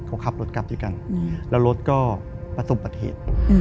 เขาขับรถกลับไปกันแล้วรถก็มาสุมประเทศ